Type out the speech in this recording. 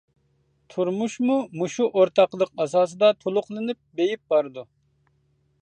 تۇرمۇشىمۇ مۇشۇ ئورتاقلىق ئاساسىدا تولۇقلىنىپ، بېيىپ بارىدۇ.